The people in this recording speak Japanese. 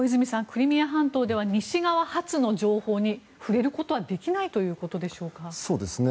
クリミア半島では西側発の情報に触れることはできないということでしょうか。